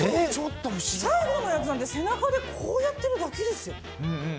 最後のやつなんて背中でこうやってるだけですよ。